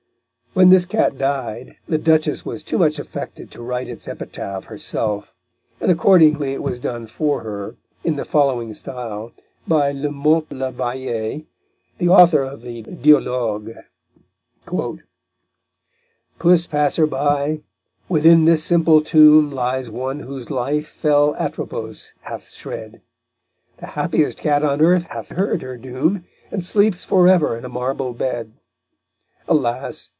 When this cat died the Duchess was too much affected to write its epitaph herself, and accordingly it was done for her, in the following style, by La Mothe le Vayer, the author of the Dialogues: _Puss passer by, within this simple tomb Lies one whose life fell Atropos hath shred; The happiest cat on earth hath heard her doom, And sleeps for ever in a marble bed. Alas!